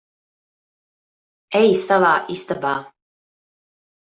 Ej savā istabā.